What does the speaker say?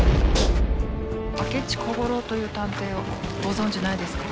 明智小五郎という探偵をご存じないですか？